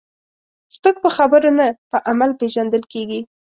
سپک په خبرو نه، په عمل پیژندل کېږي.